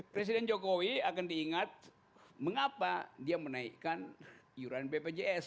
presiden jokowi akan diingat mengapa dia menaikkan iuran bpjs